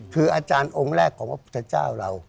คืออาจารย์องค์แรกของพระพุทธเจ้าเรา